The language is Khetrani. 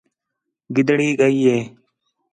گِدڑی ڳئی ہِے